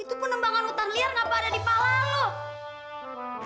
itu penembangan hutan liar ngapa ada di pala lo